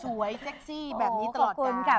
สวยเซ็กซี่แบบนี้ตลอดกัน